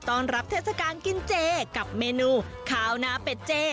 รับเทศกาลกินเจกับเมนูข้าวนาเป็ดเจ